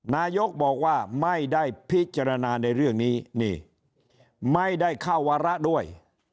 นายกบอกว่าไม่ได้พิจารณาในเรื่องนี้นี่ไม่ได้เข้าวาระด้วย